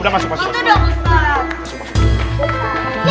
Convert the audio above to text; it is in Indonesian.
udah masuk masuk masuk